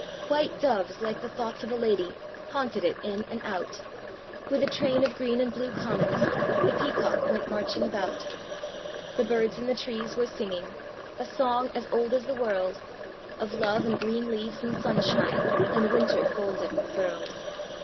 White doves, like the thoughts of a lady, Haunted it in and out; With a train of green and blue comets, The peacock went marching about. The birds in the trees were singing A song as old as the world, Of love and green leaves and sunshine, And winter folded and furled.